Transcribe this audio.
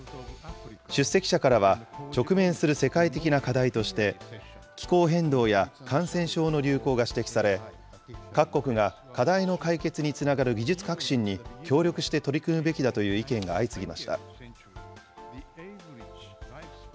出席者からは、直面する世界的な課題として、気候変動や感染症の流行が指摘され、各国が課題の解決につながる技術革新に協力して取り組むべきだという意見が相次ぎました。